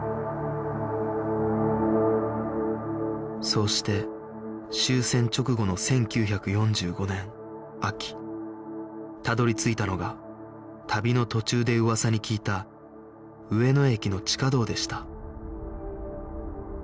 そうして終戦直後の１９４５年秋たどり着いたのが旅の途中で噂に聞いた上野駅の地下道でした